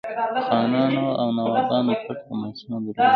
خانانو او نوابانو پټ تماسونه درلودل.